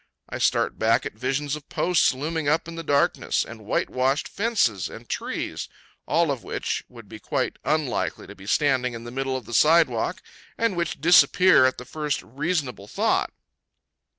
I start back at visions of posts looming up in the darkness, and whitewashed fences and trees, all of which would be quite unlikely to be standing in the middle of the sidewalk, and which disappear at the first reasonable thought.